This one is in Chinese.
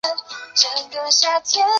南克赖。